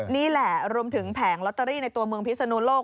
นี่แหละรวมถึงแผงลอตเตอรี่ในตัวเมืองพิศนุโลก